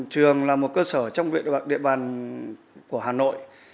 trường là một cơ sở trong địa bàn của hà nội